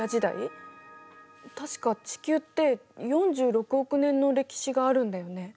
確か地球って４６億年の歴史があるんだよね。